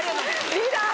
リーダー！